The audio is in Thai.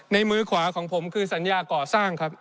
มือขวาของผมคือสัญญาก่อสร้างครับ